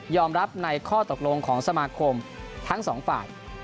รับในข้อตกลงของสมาคมทั้งสองฝ่าย